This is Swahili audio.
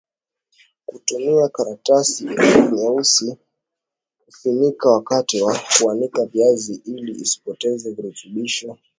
tumia karatasi nyeusi kufunika wakati wa kuanika viazi ili usipoteze virutubisho